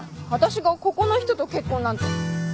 わたしがここの人と結婚なんて。